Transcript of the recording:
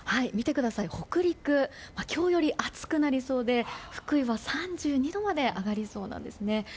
北陸、今日より暑くなりそうで福井は３２度まで上がりそうなんですね。